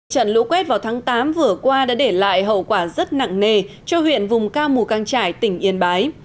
trận lũ quét vào tháng tám vừa qua đã để lại hậu quả rất nặng nề cho huyện vùng cao mù căng trải tỉnh yên bái